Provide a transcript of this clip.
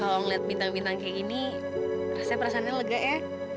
kalau ngeliat bintang bintang kayak gini saya perasaannya lega ya